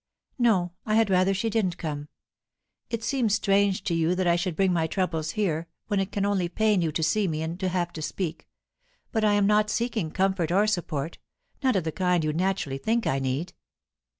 "No. I had rather she didn't come. It seems strange to you that I should bring my troubles here, when it can only pain you to see me, and to have to speak. But I am not seeking comfort or support not of the kind you naturally think I need."